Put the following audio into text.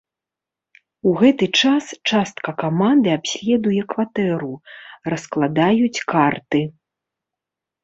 У гэты час частка каманды абследуе кватэру, раскладаюць карты.